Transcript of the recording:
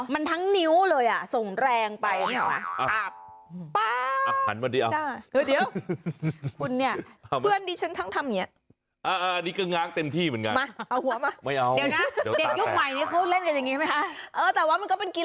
มันทั้งนิ้วเลยอ่ะส่งแรงไป